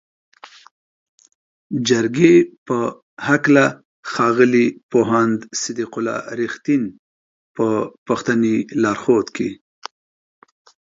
جرګې په هکله ښاغلي پوهاند صدیق الله "رښتین" په پښتني لارښود کې